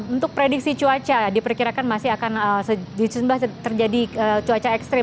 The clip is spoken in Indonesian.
untuk prediksi cuaca diperkirakan masih akan terjadi cuaca ekstrim